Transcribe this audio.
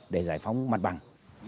để giải phóng mặt bằng